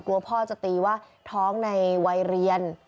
กลัวพ่อจะตีว่าท้องในวัยเรียน